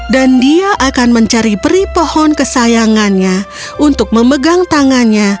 dan dia akan mencari peri pohon kesayangannya untuk memegang tangannya